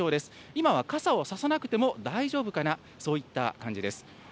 今は傘を差さなくても大丈夫かな、そういった感じです。